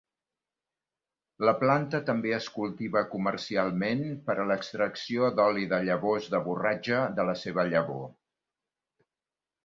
La planta també es cultiva comercialment per a l'extracció doli de llavors de borratja de la seva llavor.